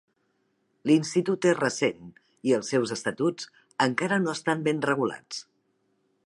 L'institut és recent i els seus estatuts encara no estan ben regulats.